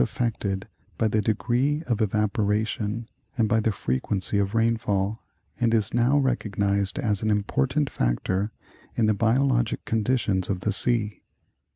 affected by the degree of evaporation and by the frequency of rainfall, and is now recognized as an important factor in the bio logic conditions of the sea.